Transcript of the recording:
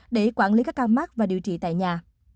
để quản lý các ca mắc và điều trị tại nhà